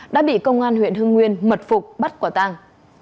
đã bị công an huyện hưng nguyên mật phục bắt quả tàng